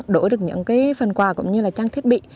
đổi được những phần quà cũng như là trang thiết bị